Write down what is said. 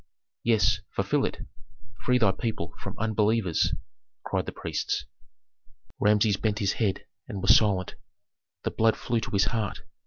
"Yes, fulfil it! free thy people from unbelievers!" cried the priests. Rameses bent his head, and was silent. The blood flew to his heart.